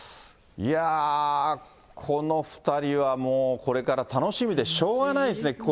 いやー、この２人はもうこれから楽しみでしょうがないですね、